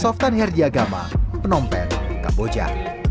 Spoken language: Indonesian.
softan herdi agama penompen kamboja